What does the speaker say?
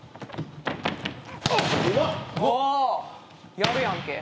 やるやんけ。